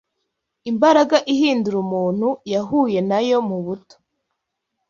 Imbaraga ihindura umuntu yahuye nayo mu buto